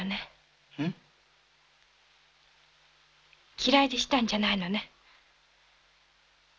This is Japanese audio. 嫌いでしたんじゃないのね。